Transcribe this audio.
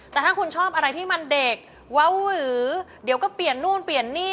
แต่ถ้าคุณชอบอะไรที่มันเด็กว้าวหือเดี๋ยวก็เปลี่ยนนู่นเปลี่ยนนี่